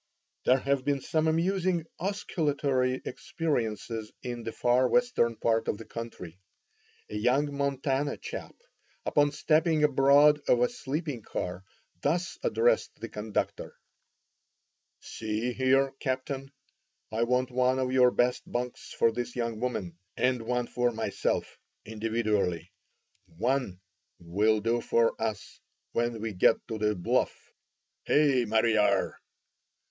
There have been some amusing osculatory experiences in the far western part of our country. A young Montana chap, upon stepping aboard of a sleeping car, thus addressed the conductor: "See here, captain, I want one of your best bunks for this young woman, and one for myself individually. One will do for us when we get to the Bluff—hey, Mariar?"